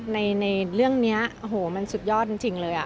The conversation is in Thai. ในเรื่องนี้โอ้โหมันสุดยอดจริงเลย